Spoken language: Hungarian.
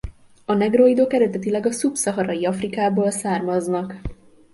A negroidok eredetileg a szub-szaharai Afrikából származnak.